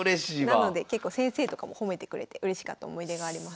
なので結構先生とかも褒めてくれてうれしかった思い出があります。